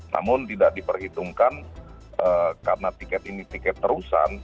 namun tidak diperhitungkan karena tiket ini tiket terusan